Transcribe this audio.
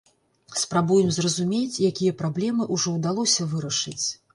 Спрабуем зразумець, якія праблемы ўжо ўдалося вырашыць.